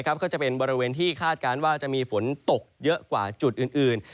ก็จะเป็นบริเวณที่คาดการณ์ว่าจะมีฝนตกเยอะกว่าจุดอื่น